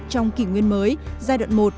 trong kỷ nguyên mới giai đoạn một